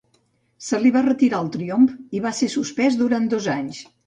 Se li va retirar el triomf, i va ser suspès durant dos anys.